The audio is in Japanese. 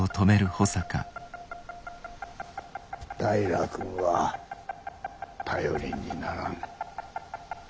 平君は頼りにならん。